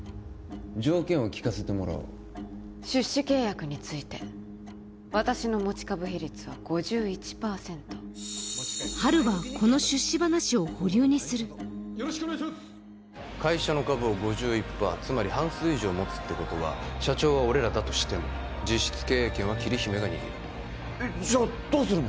条件を聞かせてもらおう出資契約について私の持ち株比率は５１％ハルはこの出資話を保留にする会社の株を５１パーつまり半数以上持つってことは社長は俺らだとしても実質経営権は桐姫が握るえっじゃどうするの？